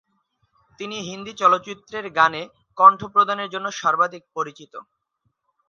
তিনি হিন্দি চলচ্চিত্রের গানে কণ্ঠ প্রদানের জন্য সর্বাধিক পরিচিত।